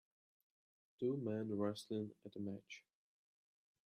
Two men wrestling at a match.